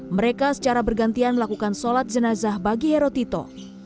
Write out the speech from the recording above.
mereka secara bergantian lakukan solat jenazah bagi herotito